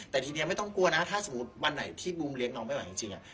แต่ทีนี้ไม่ต้องกลัวนะถ้าสมมุติวันไหนที่บูมเลี้ยน้องไม่ไหวจริง